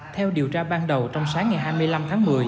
theo điều tra ban đầu trong sáng ngày hai mươi năm tháng một mươi